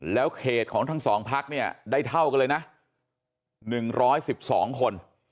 แล้วเขตของทั้งสองพักเนี่ยได้เท่ากันเลยนะ๑๑๒คน